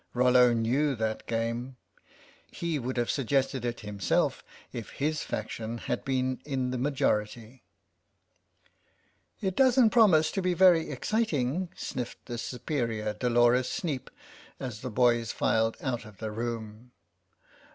Rollo knew that game. He would have THE STRATEGIST %7 suggested it himself if his faction had been in the majority. " It doesn't promise to be very exciting," sniffed the superior Dolores Sneep as the boys filed out of the room.